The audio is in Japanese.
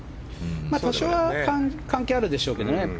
多少は関係あるでしょうけどね。